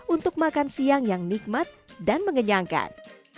untuk makan siang yang nikmat dan mengenyangkan